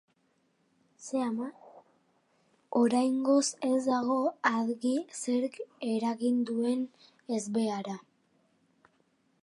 Oraingoz ez dago argi zerk eragin duen ezbeharra.